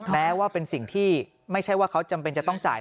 แม้ว่าเป็นสิ่งที่ไม่ใช่ว่าเขาจำเป็นจะต้องจ่าย